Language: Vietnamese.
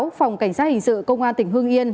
phòng cảnh sát hình sự công an tỉnh hương yên